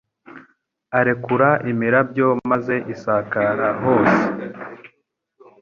arekura imirabyo maze isakara hose